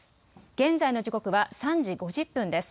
現在の時刻は３時５０分です。